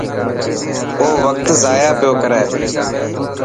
او وقت ضايع پيو ڪري.